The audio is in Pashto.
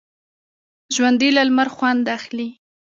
ژوندي له لمر خوند اخلي